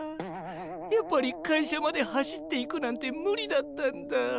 やっぱり会社まで走っていくなんてむりだったんだ。